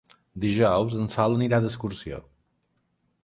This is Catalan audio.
Dijous en Sol anirà d'excursió.